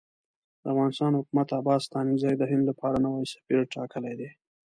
د افغانستان حکومت عباس ستانکزی د هند لپاره نوی سفیر ټاکلی دی.